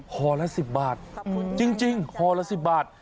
ครับคุณครับครับคุณครับจริงพอละ๑๐บาท